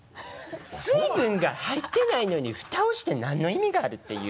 水分が入ってないのにフタをして何の意味があるっていう。